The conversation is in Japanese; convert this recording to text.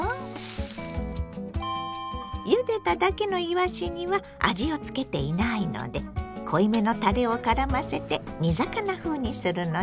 ゆでただけのいわしには味をつけていないので濃いめのたれをからませて煮魚風にするのよ。